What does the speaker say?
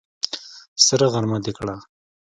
سره غرمه دې کړه!